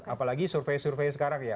apalagi survei survei sekarang ya